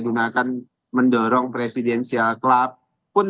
gunakan mendorong presidensial club pun